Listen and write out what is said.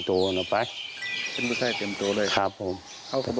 แต่ฝึกให้พ่อจาวแสดง